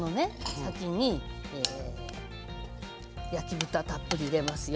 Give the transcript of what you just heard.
先に焼き豚たっぷり入れますよ。